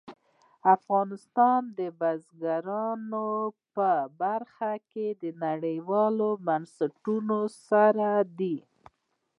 افغانستان د بزګانو په برخه کې نړیوالو بنسټونو سره دی.